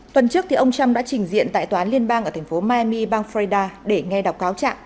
tuần trước ông trump đã trình diện tại tòa liên bang ở thành phố miami bang florida để nghe đọc cáo trạng